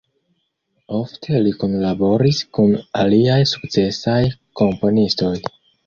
Ofte li kunlaboris kun aliaj sukcesaj komponistoj.